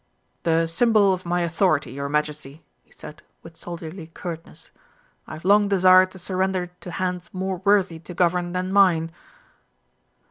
"The symbol of my authority, your Majesty," he said, with soldierly curtness. "I have long desired to surrender it to hands more worthy to govern than mine."